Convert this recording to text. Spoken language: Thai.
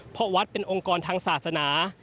เพราะวัดเป็นองค์กรทางศาสนา